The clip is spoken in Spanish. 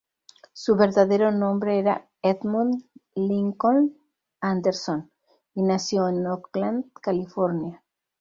Su verdadero nombre era Edmund Lincoln Anderson, y nació en Oakland, California.